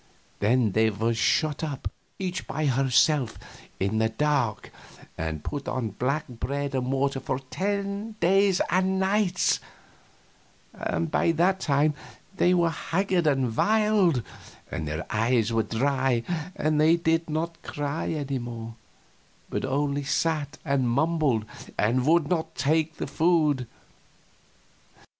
Then they were shut up, each by herself, in the dark, and put on black bread and water for ten days and nights; and by that time they were haggard and wild, and their eyes were dry and they did not cry any more, but only sat and mumbled, and would not take the food.